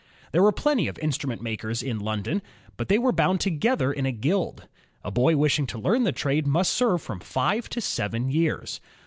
There were plenty of instrument makers in London, but they were bound together in a guild. A boy wishing to learn the trade must serve from five to seven years.